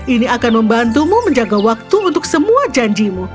ini akan membantumu menjaga waktu untuk semua janjimu